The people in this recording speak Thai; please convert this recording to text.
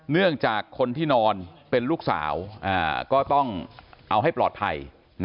เนื่องจากคนที่นอนเป็นลูกสาวก็ต้องเอาให้ปลอดภัย